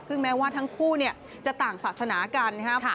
ซึ่งแม้ว่าทั้งคู่จะต่างศาสนากันนะครับ